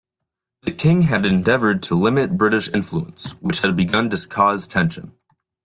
The King had endeavored to limit British influence, which had begun to cause tension.